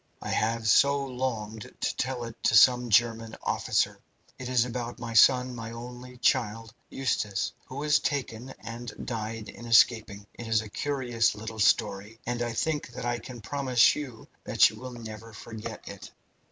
I have so longed to tell it to some German officer. It is about my son, my only child, Eustace, who was taken and died in escaping. It is a curious little story, and I think that I can promise you that you will never forget it.